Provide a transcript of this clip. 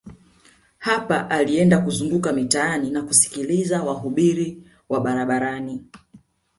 Hapa alienda kuzunguka mitaani na kusikiliza wahubiri wa barabarani